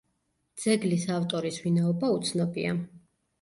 ძეგლის ავტორის ვინაობა უცნობია.